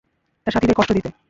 তাঁর সাথীদের কষ্ট দিতে।